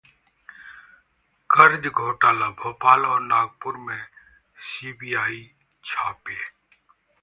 कर्ज घोटालाः भोपाल और नागपुर में सीबीआई छापे